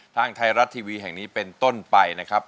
ทางไทยรัฐทีวีแห่งนี้เป็นต้นไปนะครับ